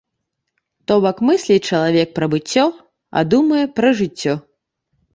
То бок мысліць чалавек пра быццё, а думае пра жыццё.